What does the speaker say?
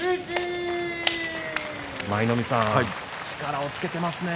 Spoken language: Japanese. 舞の海さん、力をつけていますね。